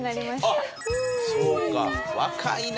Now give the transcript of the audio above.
あっそうか若いね。